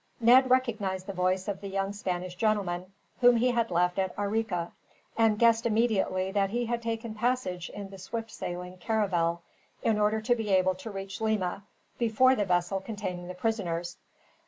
Ned recognized the voice of the young Spanish gentleman, whom he had left at Arica; and guessed immediately that he had taken passage in the swift sailing caravel, in order to be able to reach Lima before the vessel containing the prisoners.